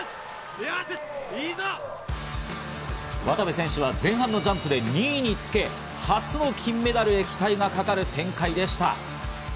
渡部選手は前半のジャンプで２位につけ、初の金メダルへ期待がかかる展開でした。